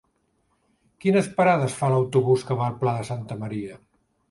Quines parades fa l'autobús que va al Pla de Santa Maria?